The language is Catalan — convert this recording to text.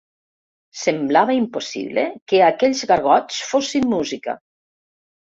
Semblava impossible que aquells gargots fossin música.